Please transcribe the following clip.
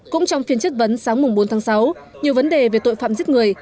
cũng trong phiên chất vấn sáng bốn tháng sáu nhiều vấn đề về tội phạm giết người